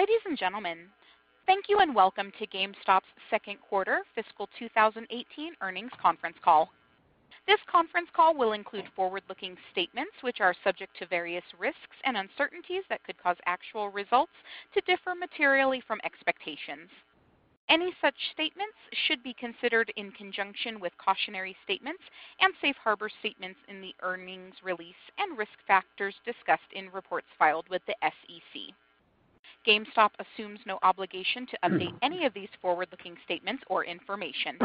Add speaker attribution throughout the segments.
Speaker 1: Ladies and gentlemen, thank you and welcome to GameStop's second quarter fiscal 2018 earnings conference call. This conference call will include forward-looking statements, which are subject to various risks and uncertainties that could cause actual results to differ materially from expectations. Any such statements should be considered in conjunction with cautionary statements and safe harbor statements in the earnings release and risk factors discussed in reports filed with the SEC. GameStop assumes no obligation to update any of these forward-looking statements or information.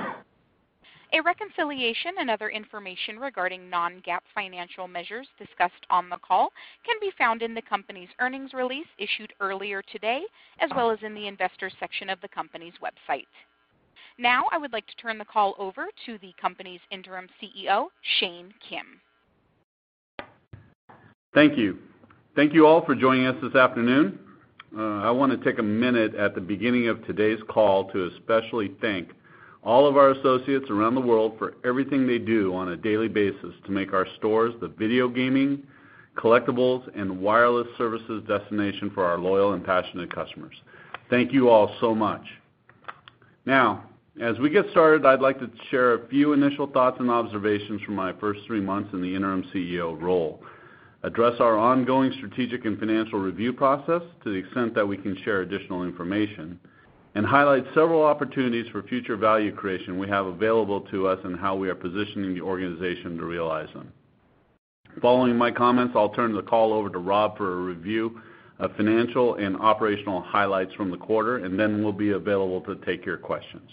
Speaker 1: A reconciliation and other information regarding non-GAAP financial measures discussed on the call can be found in the company's earnings release issued earlier today, as well as in the investor section of the company's website. I would like to turn the call over to the company's interim CEO, Shane Kim.
Speaker 2: Thank you. Thank you all for joining us this afternoon. I want to take a minute at the beginning of today's call to especially thank all of our associates around the world for everything they do on a daily basis to make our stores the video gaming, collectibles, and wireless services destination for our loyal and passionate customers. Thank you all so much. As we get started, I'd like to share a few initial thoughts and observations from my first three months in the interim CEO role, address our ongoing strategic and financial review process to the extent that we can share additional information, and highlight several opportunities for future value creation we have available to us and how we are positioning the organization to realize them. Following my comments, I'll turn the call over to Rob for a review of financial and operational highlights from the quarter. Then we'll be available to take your questions.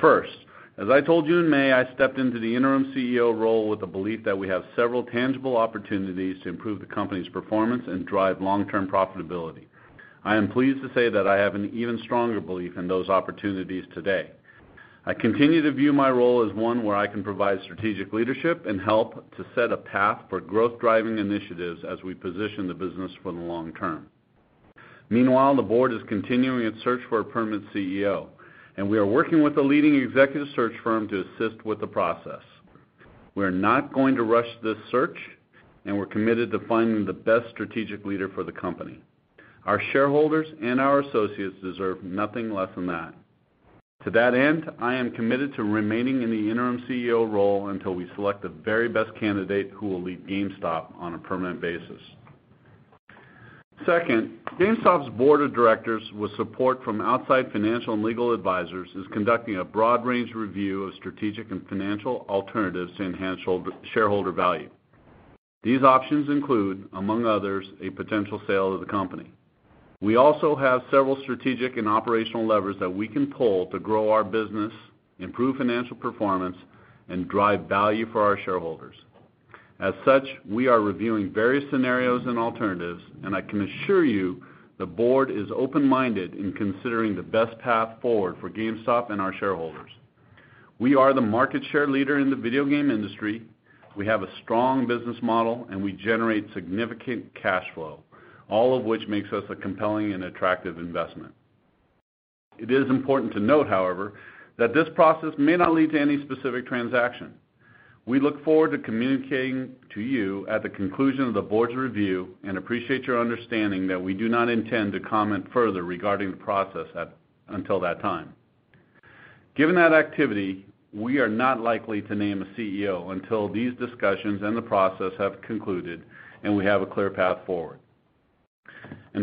Speaker 2: First, as I told you in May, I stepped into the interim CEO role with the belief that we have several tangible opportunities to improve the company's performance and drive long-term profitability. I am pleased to say that I have an even stronger belief in those opportunities today. I continue to view my role as one where I can provide strategic leadership and help to set a path for growth-driving initiatives as we position the business for the long term. Meanwhile, the board is continuing its search for a permanent CEO, and we are working with a leading executive search firm to assist with the process. We're not going to rush this search, and we're committed to finding the best strategic leader for the company. Our shareholders and our associates deserve nothing less than that. To that end, I am committed to remaining in the interim CEO role until we select the very best candidate who will lead GameStop on a permanent basis. Second, GameStop's board of directors, with support from outside financial and legal advisors, is conducting a broad range review of strategic and financial alternatives to enhance shareholder value. These options include, among others, a potential sale of the company. We also have several strategic and operational levers that we can pull to grow our business, improve financial performance, and drive value for our shareholders. We are reviewing various scenarios and alternatives, and I can assure you the board is open-minded in considering the best path forward for GameStop and our shareholders. We are the market share leader in the video game industry. We have a strong business model, and we generate significant cash flow, all of which makes us a compelling and attractive investment. It is important to note, however, that this process may not lead to any specific transaction. We look forward to communicating to you at the conclusion of the board's review and appreciate your understanding that we do not intend to comment further regarding the process until that time. Given that activity, we are not likely to name a CEO until these discussions and the process have concluded and we have a clear path forward.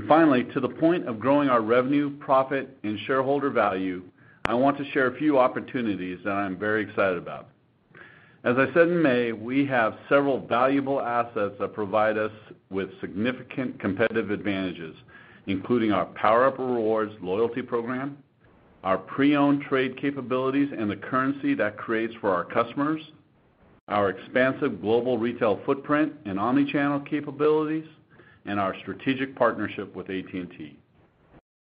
Speaker 2: Finally, to the point of growing our revenue, profit, and shareholder value, I want to share a few opportunities that I'm very excited about. As I said in May, we have several valuable assets that provide us with significant competitive advantages, including our PowerUp Rewards loyalty program, our pre-owned trade capabilities, and the currency that creates for our customers, our expansive global retail footprint and omni-channel capabilities, and our strategic partnership with AT&T.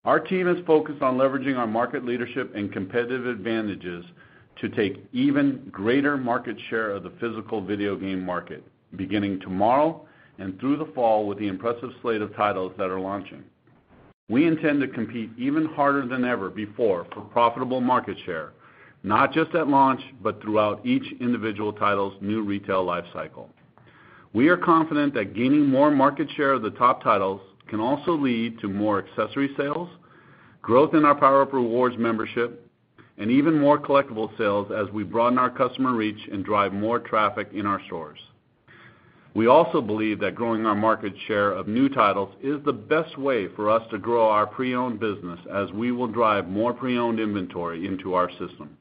Speaker 2: Our team is focused on leveraging our market leadership and competitive advantages to take even greater market share of the physical video game market beginning tomorrow and through the fall with the impressive slate of titles that are launching. We intend to compete even harder than ever before for profitable market share, not just at launch, but throughout each individual title's new retail life cycle. We are confident that gaining more market share of the top titles can also lead to more accessory sales, growth in our PowerUp Rewards membership, and even more collectible sales as we broaden our customer reach and drive more traffic in our stores. We also believe that growing our market share of new titles is the best way for us to grow our pre-owned business, as we will drive more pre-owned inventory into our system.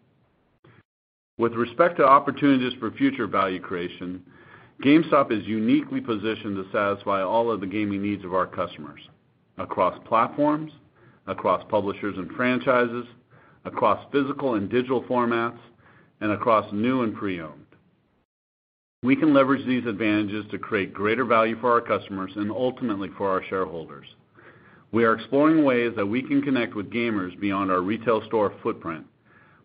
Speaker 2: With respect to opportunities for future value creation, GameStop is uniquely positioned to satisfy all of the gaming needs of our customers across platforms, across publishers and franchises, across physical and digital formats, and across new and pre-owned. We can leverage these advantages to create greater value for our customers and ultimately for our shareholders. We are exploring ways that we can connect with gamers beyond our retail store footprint,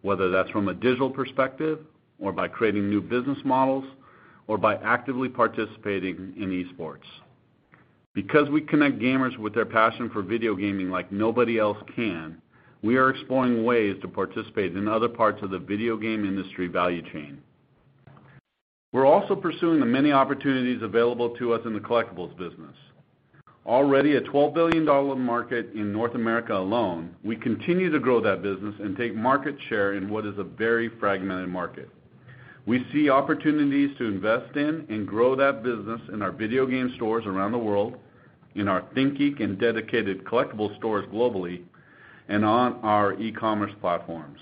Speaker 2: whether that's from a digital perspective or by creating new business models or by actively participating in esports. Because we connect gamers with their passion for video gaming like nobody else can, we are exploring ways to participate in other parts of the video game industry value chain. We're also pursuing the many opportunities available to us in the collectibles business. Already a $12 billion market in North America alone, we continue to grow that business and take market share in what is a very fragmented market. We see opportunities to invest in and grow that business in our video game stores around the world, in our ThinkGeek and dedicated collectible stores globally, and on our e-commerce platforms.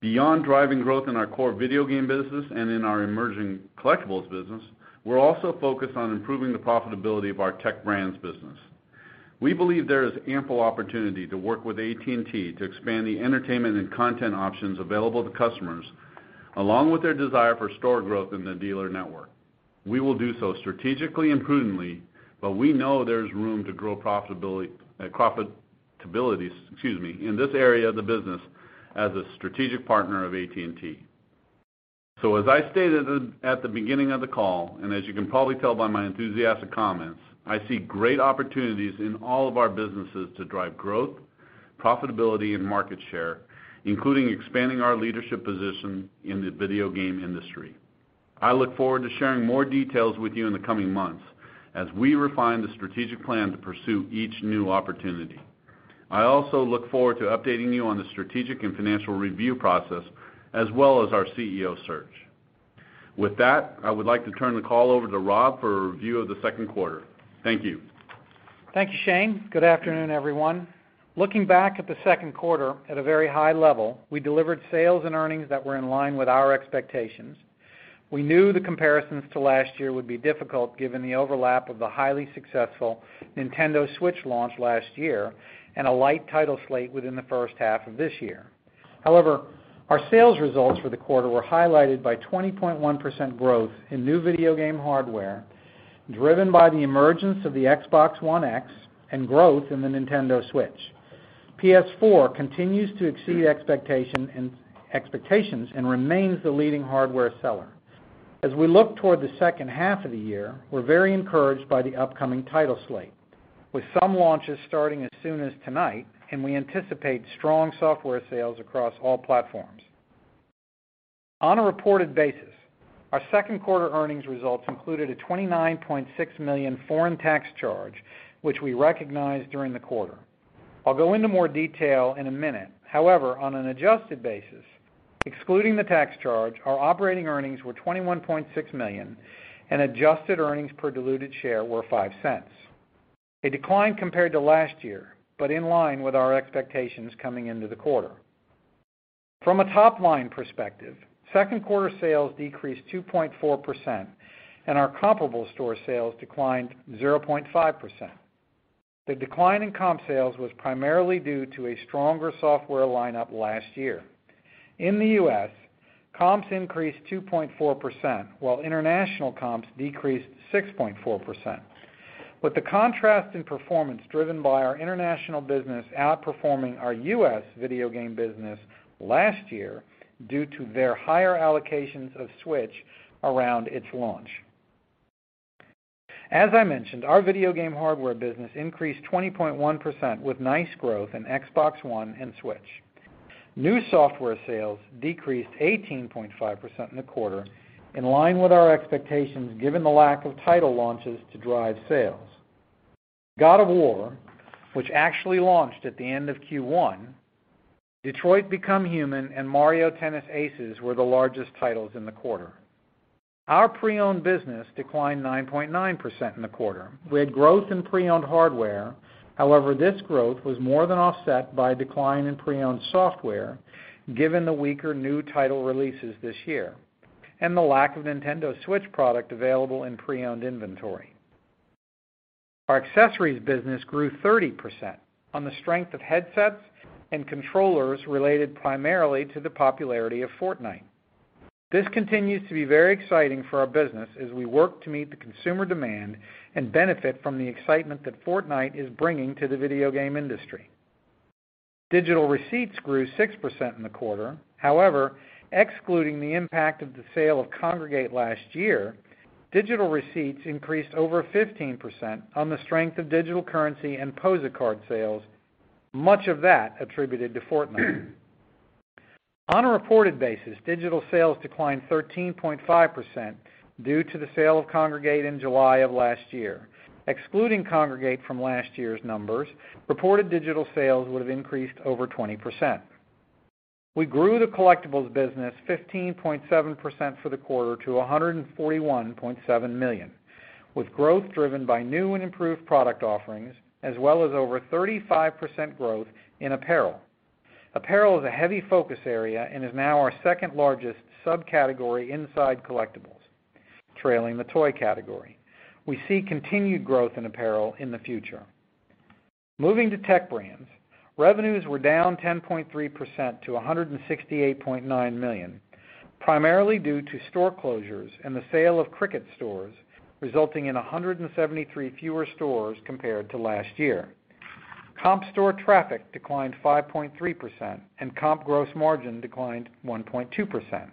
Speaker 2: Beyond driving growth in our core video game business and in our emerging collectibles business, we're also focused on improving the profitability of our Tech Brands business. We believe there is ample opportunity to work with AT&T to expand the entertainment and content options available to customers, along with their desire for store growth in the dealer network. We will do so strategically and prudently, but we know there's room to grow profitability in this area of the business as a strategic partner of AT&T. As I stated at the beginning of the call, and as you can probably tell by my enthusiastic comments, I see great opportunities in all of our businesses to drive growth, profitability, and market share, including expanding our leadership position in the video game industry. I look forward to sharing more details with you in the coming months as we refine the strategic plan to pursue each new opportunity. I also look forward to updating you on the strategic and financial review process, as well as our CEO search. With that, I would like to turn the call over to Rob for a review of the second quarter. Thank you.
Speaker 3: Thank you, Shane. Good afternoon, everyone. Looking back at the second quarter at a very high level, we delivered sales and earnings that were in line with our expectations. We knew the comparisons to last year would be difficult given the overlap of the highly successful Nintendo Switch launch last year and a light title slate within the first half of this year. However, our sales results for the quarter were highlighted by 20.1% growth in new video game hardware, driven by the emergence of the Xbox One X and growth in the Nintendo Switch. PS4 continues to exceed expectations and remains the leading hardware seller. As we look toward the second half of the year, we're very encouraged by the upcoming title slate, with some launches starting as soon as tonight, and we anticipate strong software sales across all platforms. On a reported basis, our second quarter earnings results included a $29.6 million foreign tax charge, which we recognized during the quarter. I'll go into more detail in a minute. However, on an adjusted basis, excluding the tax charge, our operating earnings were $21.6 million and adjusted earnings per diluted share were $0.05. A decline compared to last year, but in line with our expectations coming into the quarter. From a top-line perspective, second quarter sales decreased 2.4%, and our comparable store sales declined 0.5%. The decline in comp sales was primarily due to a stronger software lineup last year. In the U.S., comps increased 2.4%, while international comps decreased 6.4%. With the contrast in performance driven by our international business outperforming our U.S. video game business last year due to their higher allocations of Switch around its launch. As I mentioned, our video game hardware business increased 20.1% with nice growth in Xbox One and Switch. New software sales decreased 18.5% in the quarter, in line with our expectations given the lack of title launches to drive sales. God of War, which actually launched at the end of Q1, Detroit: Become Human, and Mario Tennis Aces were the largest titles in the quarter. Our pre-owned business declined 9.9% in the quarter. We had growth in pre-owned hardware. This growth was more than offset by a decline in pre-owned software, given the weaker new title releases this year and the lack of Nintendo Switch product available in pre-owned inventory. Our accessories business grew 30% on the strength of headsets and controllers related primarily to the popularity of Fortnite. This continues to be very exciting for our business as we work to meet the consumer demand and benefit from the excitement that Fortnite is bringing to the video game industry. Digital receipts grew 6% in the quarter. Excluding the impact of the sale of Kongregate last year, digital receipts increased over 15% on the strength of digital currency and POSA card sales, much of that attributed to Fortnite. On a reported basis, digital sales declined 13.5% due to the sale of Kongregate in July of last year. Excluding Kongregate from last year's numbers, reported digital sales would have increased over 20%. We grew the collectibles business 15.7% for the quarter to $141.7 million, with growth driven by new and improved product offerings, as well as over 35% growth in apparel. Apparel is a heavy focus area and is now our second-largest subcategory inside collectibles, trailing the toy category. We see continued growth in apparel in the future. Moving to Tech Brands, revenues were down 10.3% to $168.9 million, primarily due to store closures and the sale of Cricket stores, resulting in 173 fewer stores compared to last year. Comp store traffic declined 5.3% and comp gross margin declined 1.2%.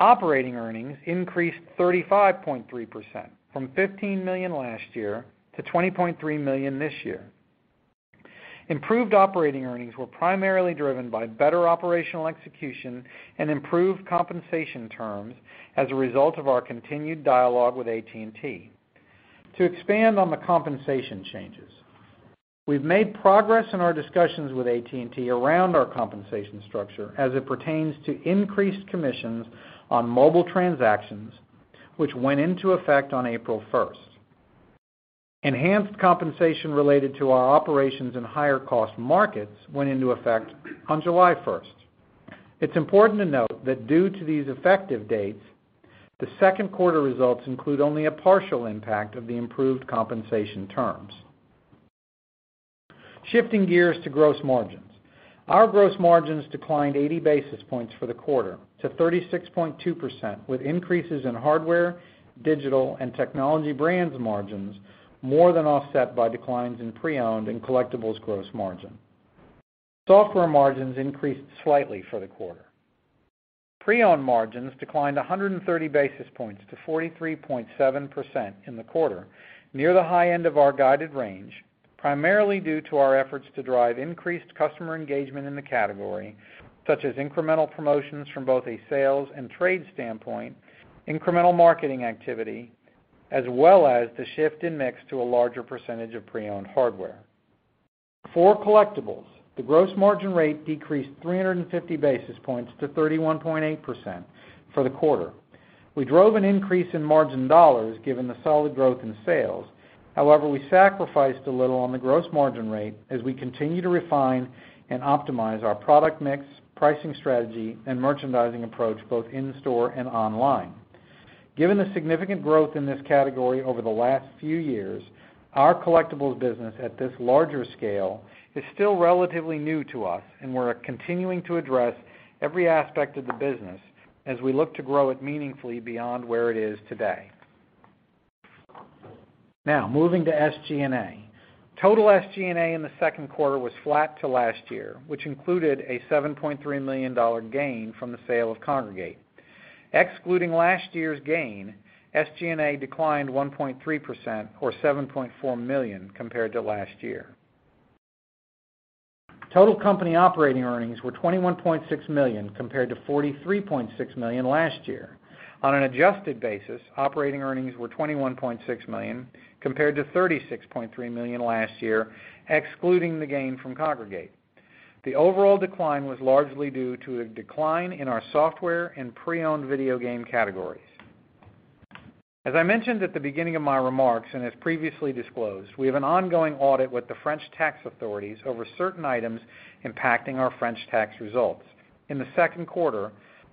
Speaker 3: Operating earnings increased 35.3%, from $15 million last year to $20.3 million this year. Improved operating earnings were primarily driven by better operational execution and improved compensation terms as a result of our continued dialogue with AT&T. To expand on the compensation changes, we've made progress in our discussions with AT&T around our compensation structure as it pertains to increased commissions on mobile transactions, which went into effect on April 1st. Enhanced compensation related to our operations in higher-cost markets went into effect on July 1st. It's important to note that due to these effective dates, the second quarter results include only a partial impact of the improved compensation terms. Shifting gears to gross margins. Our gross margins declined 80 basis points for the quarter to 36.2%, with increases in hardware, digital, and Tech Brands margins more than offset by declines in pre-owned and collectibles gross margin. Software margins increased slightly for the quarter. Pre-owned margins declined 130 basis points to 43.7% in the quarter, near the high end of our guided range, primarily due to our efforts to drive increased customer engagement in the category, such as incremental promotions from both a sales and trade standpoint, incremental marketing activity, as well as the shift in mix to a larger percentage of pre-owned hardware. For collectibles, the gross margin rate decreased 350 basis points to 31.8% for the quarter. We drove an increase in margin dollars, given the solid growth in sales. However, we sacrificed a little on the gross margin rate as we continue to refine and optimize our product mix, pricing strategy, and merchandising approach, both in store and online. Given the significant growth in this category over the last few years, our collectibles business at this larger scale is still relatively new to us, and we're continuing to address every aspect of the business as we look to grow it meaningfully beyond where it is today. Moving to SG&A. Total SG&A in the second quarter was flat to last year, which included a $7.3 million gain from the sale of Kongregate. Excluding last year's gain, SG&A declined 1.3%, or $7.4 million compared to last year. Total company operating earnings were $21.6 million, compared to $43.6 million last year. On an adjusted basis, operating earnings were $21.6 million, compared to $36.3 million last year, excluding the gain from Kongregate. The overall decline was largely due to a decline in our software and pre-owned video game categories. As I mentioned at the beginning of my remarks, as previously disclosed, we have an ongoing audit with the French tax authorities over certain items impacting our French tax results. In the second quarter,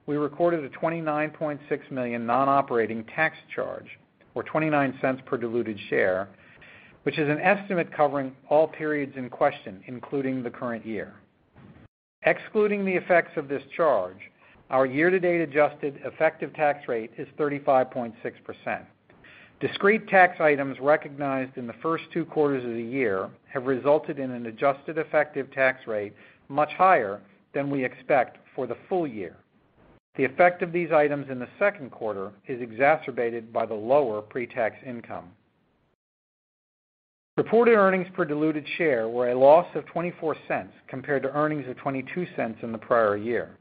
Speaker 3: we recorded a $29.6 million non-operating tax charge, or $0.29 per diluted share, which is an estimate covering all periods in question, including the current year. Excluding the effects of this charge, our year-to-date adjusted effective tax rate is 35.6%. Discrete tax items recognized in the first two quarters of the year have resulted in an adjusted effective tax rate much higher than we expect for the full year. The effect of these items in the second quarter is exacerbated by the lower pre-tax income. Reported earnings per diluted share were a loss of $0.24, compared to earnings of $0.22 in the prior year.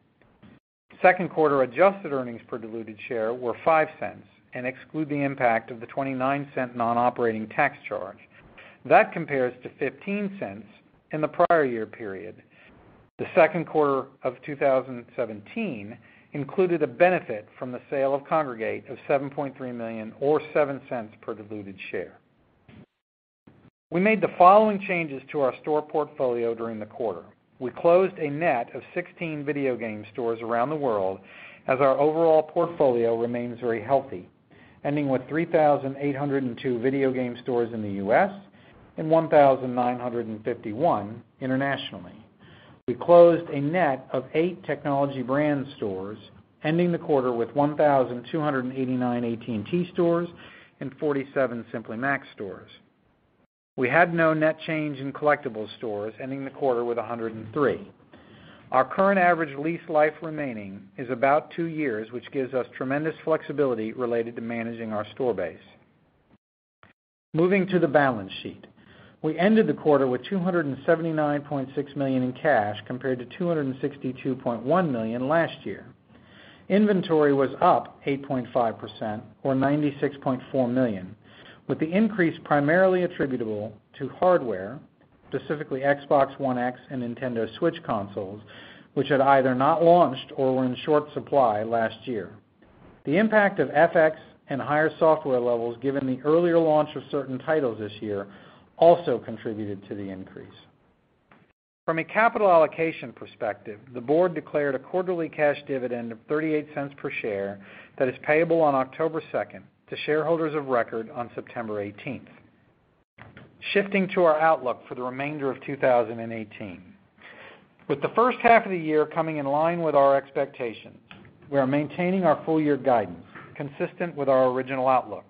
Speaker 3: Second quarter adjusted earnings per diluted share were $0.05 and exclude the impact of the $0.29 non-operating tax charge. That compares to $0.15 in the prior year period. The second quarter of 2017 included a benefit from the sale of Kongregate of $7.3 million, or $0.07 per diluted share. We made the following changes to our store portfolio during the quarter. We closed a net of 16 video game stores around the world, as our overall portfolio remains very healthy, ending with 3,802 video game stores in the U.S. and 1,951 internationally. We closed a net of eight technology brand stores, ending the quarter with 1,289 AT&T stores and 47 Simply Mac stores. We had no net change in collectibles stores, ending the quarter with 103. Our current average lease life remaining is about two years, which gives us tremendous flexibility related to managing our store base. Moving to the balance sheet. We ended the quarter with $279.6 million in cash, compared to $262.1 million last year. Inventory was up 8.5%, or $96.4 million, with the increase primarily attributable to hardware, specifically Xbox One X and Nintendo Switch consoles, which had either not launched or were in short supply last year. The impact of FX and higher software levels given the earlier launch of certain titles this year also contributed to the increase. From a capital allocation perspective, the board declared a quarterly cash dividend of $0.38 per share that is payable on October 2nd to shareholders of record on September 18th. Shifting to our outlook for the remainder of 2018. With the first half of the year coming in line with our expectations, we are maintaining our full-year guidance consistent with our original outlook.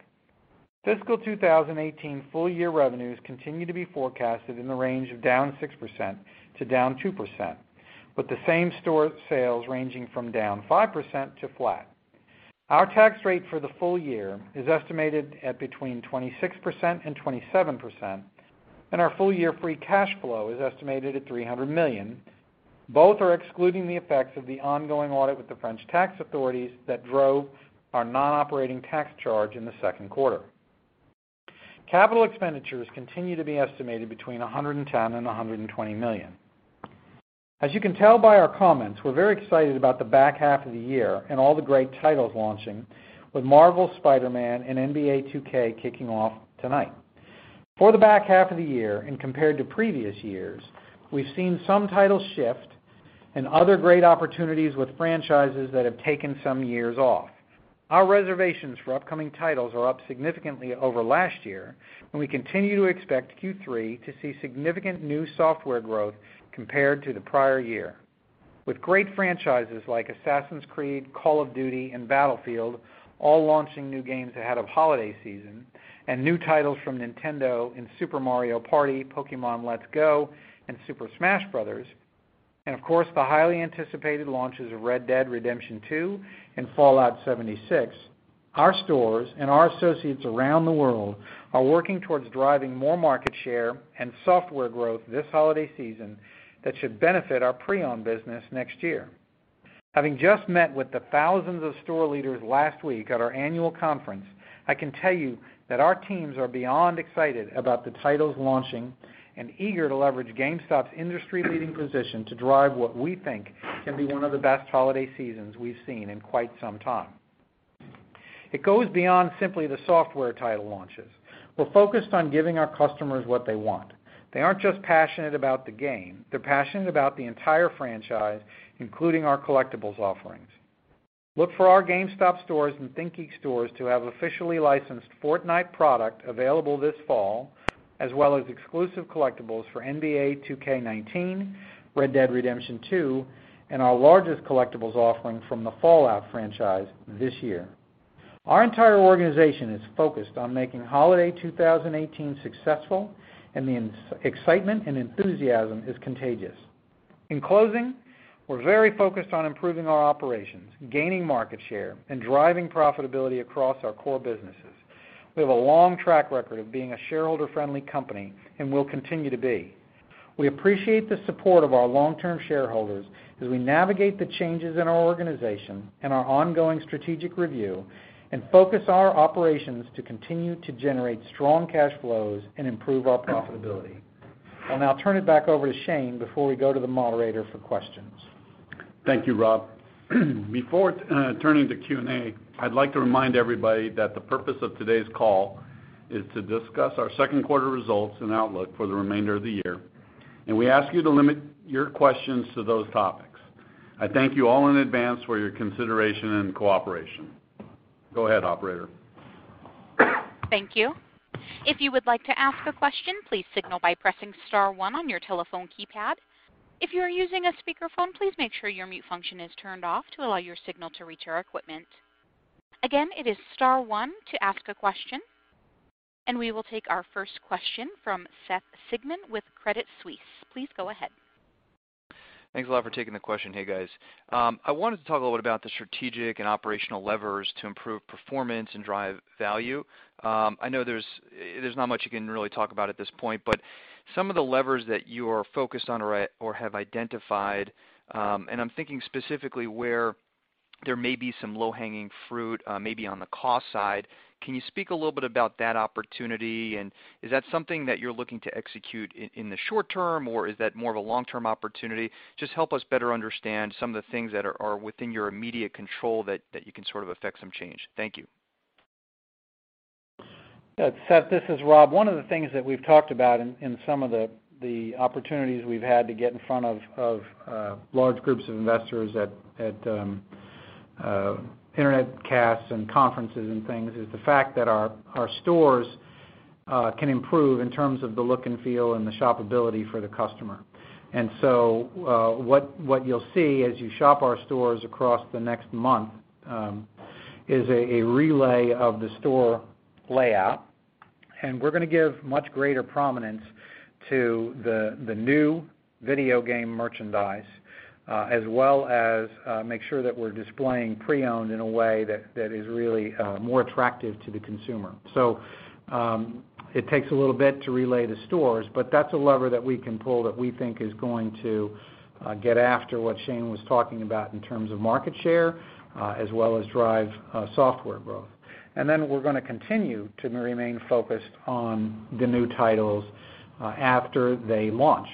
Speaker 3: Fiscal 2018 full-year revenues continue to be forecasted in the range of down 6% to down 2%, with the same-store sales ranging from down 5% to flat. Our tax rate for the full year is estimated at between 26% and 27%, and our full-year free cash flow is estimated at $300 million. Both are excluding the effects of the ongoing audit with the French tax authorities that drove our non-operating tax charge in the second quarter. Capital expenditures continue to be estimated between $110 million and $120 million. As you can tell by our comments, we're very excited about the back half of the year and all the great titles launching, with "Marvel's Spider-Man" and "NBA 2K" kicking off tonight. For the back half of the year and compared to previous years, we've seen some titles shift and other great opportunities with franchises that have taken some years off. Our reservations for upcoming titles are up significantly over last year, and we continue to expect Q3 to see significant new software growth compared to the prior year. With great franchises like "Assassin's Creed," "Call of Duty," and "Battlefield" all launching new games ahead of holiday season, new titles from Nintendo in "Super Mario Party," "Pokémon: Let's Go," and "Super Smash Bros.," and of course, the highly anticipated launches of "Red Dead Redemption 2" and "Fallout 76," our stores and our associates around the world are working towards driving more market share and software growth this holiday season that should benefit our pre-owned business next year. Having just met with the thousands of store leaders last week at our annual conference, I can tell you that our teams are beyond excited about the titles launching and eager to leverage GameStop's industry-leading position to drive what we think can be one of the best holiday seasons we've seen in quite some time. It goes beyond simply the software title launches. We're focused on giving our customers what they want. They aren't just passionate about the game. They're passionate about the entire franchise, including our collectibles offerings. Look for our GameStop stores and ThinkGeek stores to have officially licensed "Fortnite" product available this fall, as well as exclusive collectibles for "NBA 2K19," "Red Dead Redemption 2," and our largest collectibles offering from the "Fallout" franchise this year. Our entire organization is focused on making holiday 2018 successful, the excitement and enthusiasm is contagious. In closing, we're very focused on improving our operations, gaining market share, and driving profitability across our core businesses. We have a long track record of being a shareholder-friendly company and will continue to be. We appreciate the support of our long-term shareholders as we navigate the changes in our organization and our ongoing strategic review and focus our operations to continue to generate strong cash flows and improve our profitability. I'll now turn it back over to Shane before we go to the moderator for questions.
Speaker 2: Thank you, Rob. Before turning to Q&A, I'd like to remind everybody that the purpose of today's call is to discuss our second quarter results and outlook for the remainder of the year. We ask you to limit your questions to those topics. I thank you all in advance for your consideration and cooperation. Go ahead, operator.
Speaker 1: Thank you. If you would like to ask a question, please signal by pressing star one on your telephone keypad. If you are using a speakerphone, please make sure your mute function is turned off to allow your signal to reach our equipment. Again, it is star one to ask a question. We will take our first question from Seth Sigman with Credit Suisse. Please go ahead.
Speaker 4: Thanks a lot for taking the question. Hey, guys. I wanted to talk a little bit about the strategic and operational levers to improve performance and drive value. I know there's not much you can really talk about at this point. Some of the levers that you are focused on or have identified, I'm thinking specifically where there may be some low-hanging fruit, maybe on the cost side. Can you speak a little bit about that opportunity? Is that something that you're looking to execute in the short term, or is that more of a long-term opportunity? Just help us better understand some of the things that are within your immediate control that you can sort of affect some change. Thank you.
Speaker 3: Yeah, Seth, this is Rob. One of the things that we've talked about in some of the opportunities we've had to get in front of large groups of investors at internet casts and conferences and things is the fact that our stores can improve in terms of the look and feel and the shopability for the customer. What you'll see as you shop our stores across the next month is a relay of the store layout, and we're going to give much greater prominence to the new video game merchandise, as well as make sure that we're displaying pre-owned in a way that is really more attractive to the consumer. It takes a little bit to relay the stores, but that's a lever that we can pull that we think is going to get after what Shane was talking about in terms of market share as well as drive software growth. We're going to continue to remain focused on the new titles after they launch.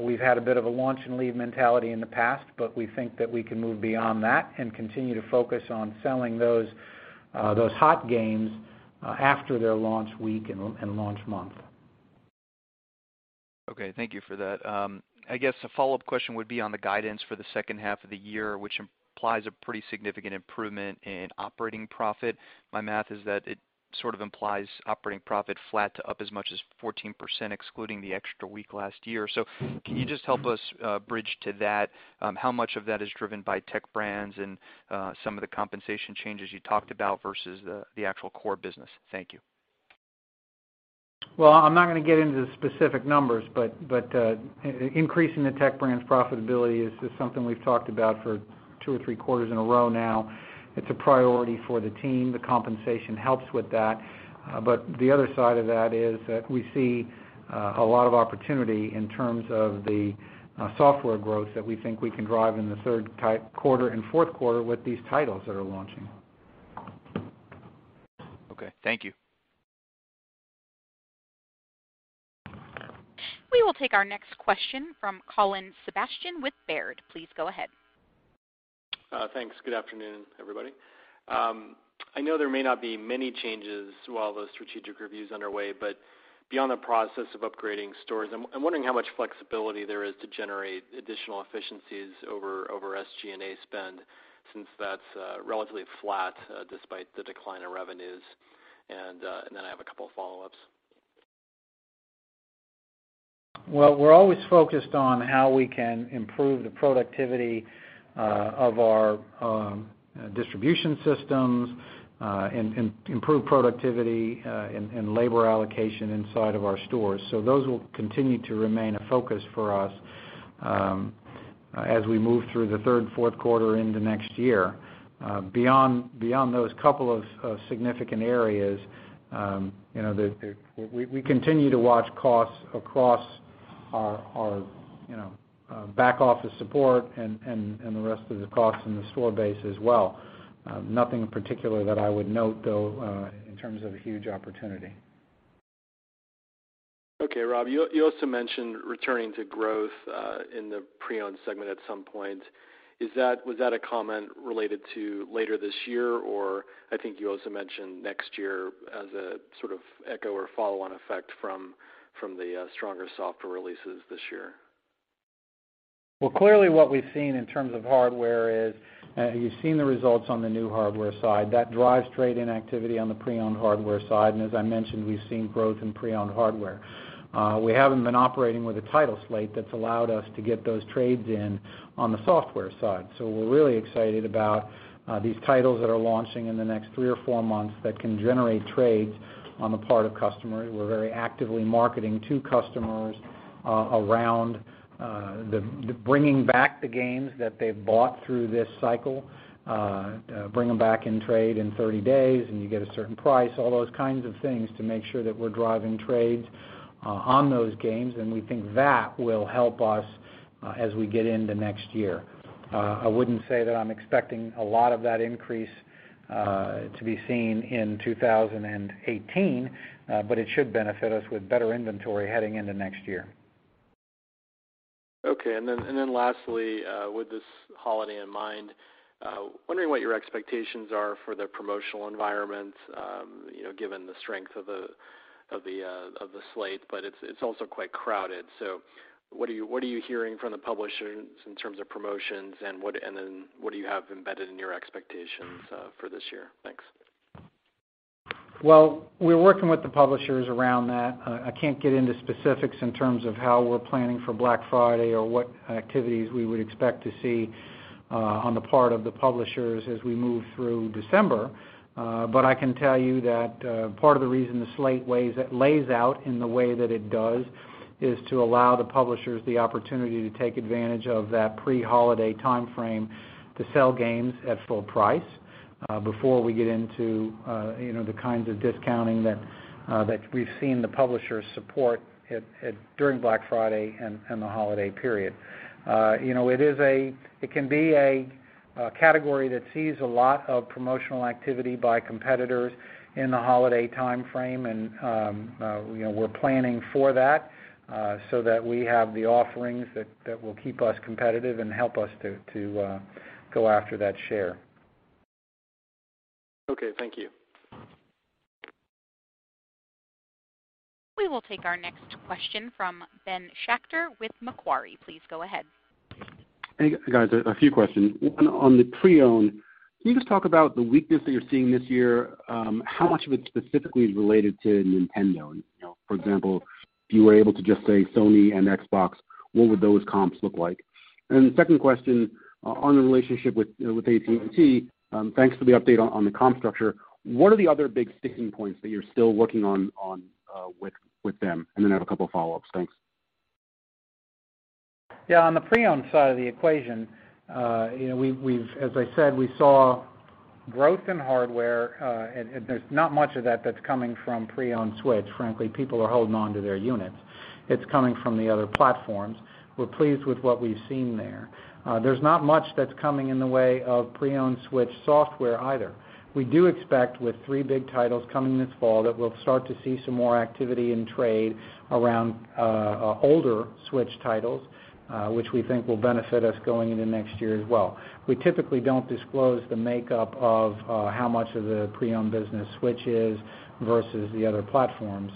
Speaker 3: We've had a bit of a launch-and-leave mentality in the past, but we think that we can move beyond that and continue to focus on selling those hot games after their launch week and launch month.
Speaker 4: Okay. Thank you for that. I guess a follow-up question would be on the guidance for the second half of the year, which implies a pretty significant improvement in operating profit. My math is that it sort of implies operating profit flat to up as much as 14%, excluding the extra week last year. Can you just help us bridge to that? How much of that is driven by Tech Brands and some of the compensation changes you talked about versus the actual core business? Thank you.
Speaker 3: Well, I'm not going to get into specific numbers, increasing the Tech Brands' profitability is something we've talked about for two or three quarters in a row now. It's a priority for the team. The compensation helps with that. The other side of that is that we see a lot of opportunity in terms of the software growth that we think we can drive in the third quarter and fourth quarter with these titles that are launching.
Speaker 4: Okay. Thank you.
Speaker 1: We will take our next question from Colin Sebastian with Baird. Please go ahead.
Speaker 5: Thanks. Good afternoon, everybody. I know there may not be many changes while the strategic review's underway, but beyond the process of upgrading stores, I'm wondering how much flexibility there is to generate additional efficiencies over SG&A spend since that's relatively flat despite the decline in revenues. Then I have a couple of follow-ups.
Speaker 3: Well, we're always focused on how we can improve the productivity of our distribution systems and improve productivity and labor allocation inside of our stores. Those will continue to remain a focus for us as we move through the third and fourth quarter into next year. Beyond those couple of significant areas, we continue to watch costs across our back-office support and the rest of the costs in the store base as well. Nothing in particular that I would note, though, in terms of a huge opportunity.
Speaker 5: Okay. Rob, you also mentioned returning to growth in the pre-owned segment at some point. Was that a comment related to later this year, or I think you also mentioned next year as a sort of echo or follow-on effect from the stronger software releases this year?
Speaker 3: Well, clearly what we've seen in terms of hardware is, you've seen the results on the new hardware side. That drives trade-in activity on the pre-owned hardware side, and as I mentioned, we've seen growth in pre-owned hardware. We haven't been operating with a title slate that's allowed us to get those trades in on the software side. We're really excited about these titles that are launching in the next three or four months that can generate trades on the part of customers. We're very actively marketing to customers around bringing back the games that they've bought through this cycle, bring them back in trade in 30 days, and you get a certain price, all those kinds of things to make sure that we're driving trades on those games, and we think that will help us as we get into next year. I wouldn't say that I'm expecting a lot of that increase to be seen in 2018, but it should benefit us with better inventory heading into next year.
Speaker 5: Okay. Lastly, with this holiday in mind, wondering what your expectations are for the promotional environment, given the strength of the slate, but it's also quite crowded. What are you hearing from the publishers in terms of promotions, and then what do you have embedded in your expectations for this year? Thanks.
Speaker 3: Well, we're working with the publishers around that. I can't get into specifics in terms of how we're planning for Black Friday or what activities we would expect to see on the part of the publishers as we move through December. I can tell you that part of the reason the slate lays out in the way that it does is to allow the publishers the opportunity to take advantage of that pre-holiday timeframe to sell games at full price before we get into the kinds of discounting that we've seen the publishers support during Black Friday and the holiday period. It can be a category that sees a lot of promotional activity by competitors in the holiday timeframe, and we're planning for that so that we have the offerings that will keep us competitive and help us to go after that share.
Speaker 5: Okay. Thank you.
Speaker 1: We will take our next question from Benjamin Schachter with Macquarie. Please go ahead.
Speaker 6: Hey, guys, a few questions. One on the pre-owned, can you just talk about the weakness that you're seeing this year? How much of it specifically is related to Nintendo? For example, if you were able to just say Sony and Xbox, what would those comps look like? The second question on the relationship with AT&T, thanks for the update on the comp structure. What are the other big sticking points that you're still working on with them? I have a couple of follow-ups. Thanks.
Speaker 3: Yeah, on the pre-owned side of the equation, as I said, we saw growth in hardware, and there's not much of that that's coming from pre-owned Switch, frankly. People are holding onto their units. It's coming from the other platforms. We're pleased with what we've seen there. There's not much that's coming in the way of pre-owned Switch software either. We do expect with three big titles coming this fall that we'll start to see some more activity in trade around older Switch titles, which we think will benefit us going into next year as well. We typically don't disclose the makeup of how much of the pre-owned business Switch is versus the other platforms.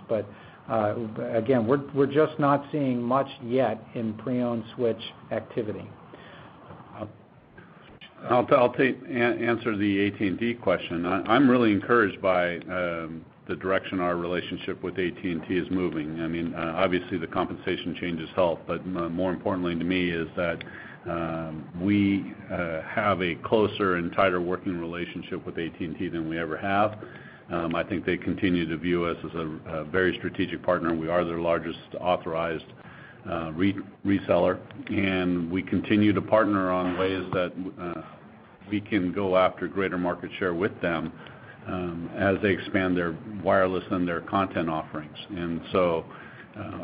Speaker 3: Again, we're just not seeing much yet in pre-owned Switch activity.
Speaker 2: I'll answer the AT&T question. I'm really encouraged by the direction our relationship with AT&T is moving. Obviously, the compensation changes help, more importantly to me is that we have a closer and tighter working relationship with AT&T than we ever have. I think they continue to view us as a very strategic partner, we are their largest authorized reseller. We continue to partner on ways that we can go after greater market share with them as they expand their wireless and their content offerings.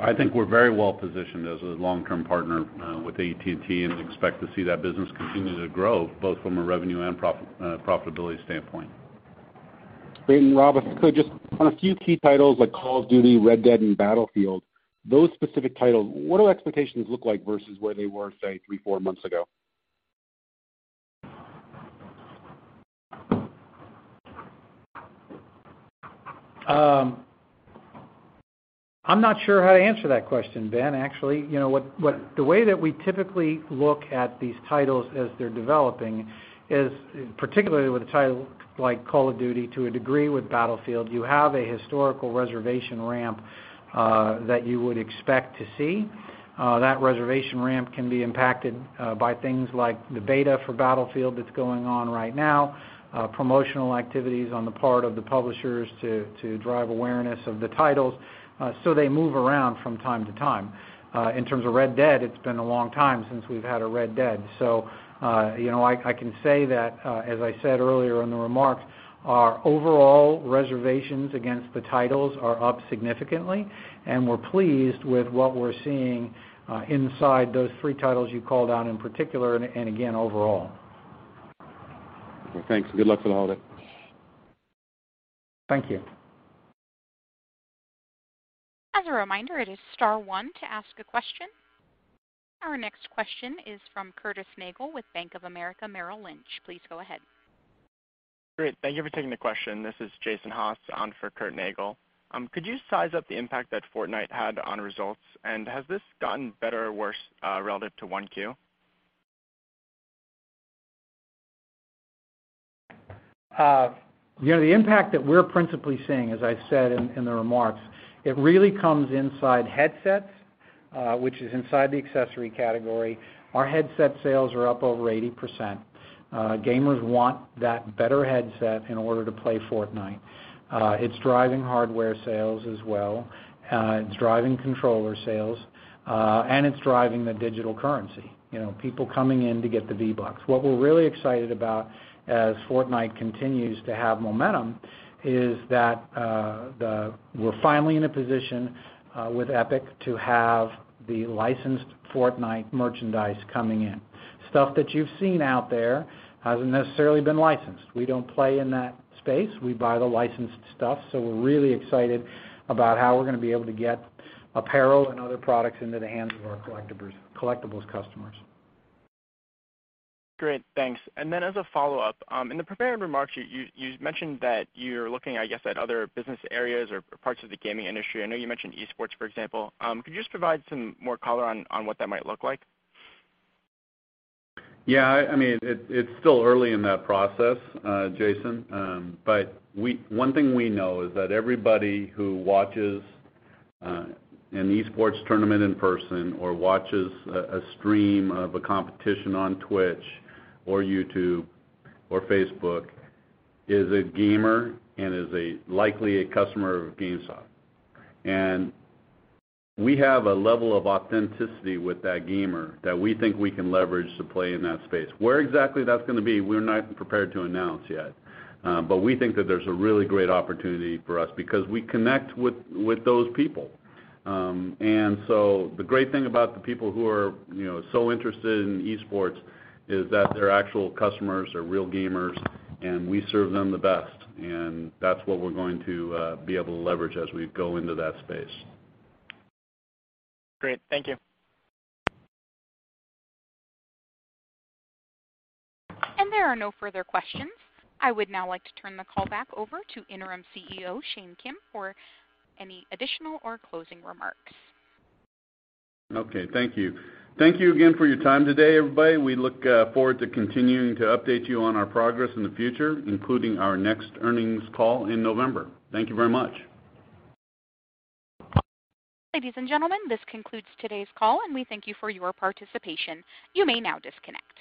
Speaker 2: I think we're very well-positioned as a long-term partner with AT&T and expect to see that business continue to grow, both from a revenue and profitability standpoint.
Speaker 6: Great. Rob, if I could just, on a few key titles like "Call of Duty," "Red Dead," and "Battlefield," those specific titles, what do expectations look like versus where they were, say, three, four months ago?
Speaker 3: I'm not sure how to answer that question, Ben, actually. The way that we typically look at these titles as they're developing is, particularly with a title like "Call of Duty," to a degree with "Battlefield," you have a historical reservation ramp that you would expect to see. That reservation ramp can be impacted by things like the beta for "Battlefield" that's going on right now, promotional activities on the part of the publishers to drive awareness of the titles. They move around from time to time. In terms of "Red Dead," it's been a long time since we've had a "Red Dead." I can say that, as I said earlier in the remarks, our overall reservations against the titles are up significantly, and we're pleased with what we're seeing inside those three titles you called out in particular, and again, overall.
Speaker 6: Okay, thanks. Good luck with all of it.
Speaker 3: Thank you.
Speaker 1: As a reminder, it is star one to ask a question. Our next question is from Curtis Nagle with Bank of America Merrill Lynch. Please go ahead.
Speaker 7: Great. Thank you for taking the question. This is Jason Haas on for Curt Nagle. Could you size up the impact that Fortnite had on results? Has this gotten better or worse relative to 1Q?
Speaker 3: The impact that we're principally seeing, as I said in the remarks, it really comes inside headsets, which is inside the accessory category. Our headset sales are up over 80%. Gamers want that better headset in order to play Fortnite. It's driving hardware sales as well. It's driving controller sales, and it's driving the digital currency, people coming in to get the V-Bucks. What we're really excited about as Fortnite continues to have momentum is that we're finally in a position with Epic to have the licensed Fortnite merchandise coming in. Stuff that you've seen out there hasn't necessarily been licensed. We don't play in that space. We buy the licensed stuff, so we're really excited about how we're going to be able to get apparel and other products into the hands of our collectibles customers.
Speaker 7: Great, thanks. Then as a follow-up, in the prepared remarks, you mentioned that you're looking, I guess, at other business areas or parts of the gaming industry. I know you mentioned esports, for example. Could you just provide some more color on what that might look like?
Speaker 2: Yeah. It's still early in that process, Jason. One thing we know is that everybody who watches an esports tournament in person or watches a stream of a competition on Twitch or YouTube or Facebook is a gamer and is likely a customer of GameStop. We have a level of authenticity with that gamer that we think we can leverage to play in that space. Where exactly that's going to be, we're not prepared to announce yet. We think that there's a really great opportunity for us because we connect with those people. The great thing about the people who are so interested in esports is that they're actual customers, they're real gamers, and we serve them the best, and that's what we're going to be able to leverage as we go into that space.
Speaker 7: Great. Thank you.
Speaker 1: There are no further questions. I would now like to turn the call back over to Interim CEO, Shane Kim, for any additional or closing remarks.
Speaker 2: Okay. Thank you. Thank you again for your time today, everybody. We look forward to continuing to update you on our progress in the future, including our next earnings call in November. Thank you very much.
Speaker 1: Ladies and gentlemen, this concludes today's call, and we thank you for your participation. You may now disconnect.